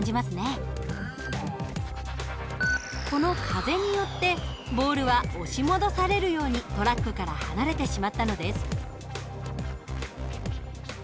この風によってボールは押し戻されるようにトラックから離れてしまったのです。